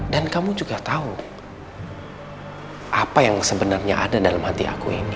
dan kamu juga tahu apa yang sebenarnya ada dalam hati aku ini